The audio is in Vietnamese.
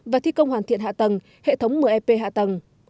và thi công hoàn thiện hạ tầng hệ thống một mươi ep hạ tầng